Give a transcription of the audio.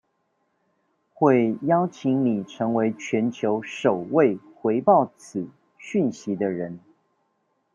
會邀請你成為全球首位回報此訊息的人